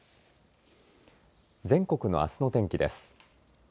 全国のあすの天気です。